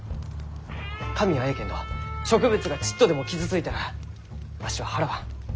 紙はえいけんど植物がちっとでも傷ついたらわしは払わん。